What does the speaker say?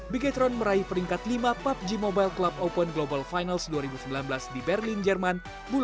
beachtron meraih peringkat lima pubg mobile club open global finals dua ribu sembilan belas di berlin jerman